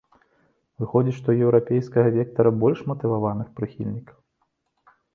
Выходзіць, што ў еўрапейскага вектара больш матываваных прыхільнікаў?